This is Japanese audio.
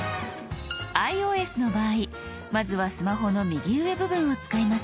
ｉＯＳの場合まずはスマホの右上部分を使います。